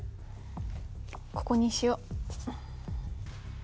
ここにしよう。